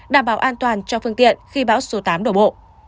đảm bảo an toàn cho phương tiện khi bão số tám đổ bộ